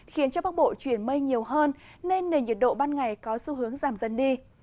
khiến cho bắc bộ chuyển mây nhiều hơn nên nền nhiệt độ ban ngày có xu hướng giảm dần đi